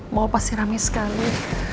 mau apa sih rame sekali